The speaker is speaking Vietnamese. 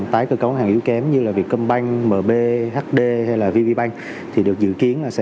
tái cơ cấu ngân hàng yếu kém như vietcombank mbhd hay vvbank thì được dự kiến